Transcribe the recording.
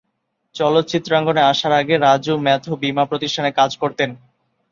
চলচ্চিত্রাঙ্গনে আসার আগে রাজু ম্যাথু বীমা প্রতিষ্ঠানে কাজ করতেন।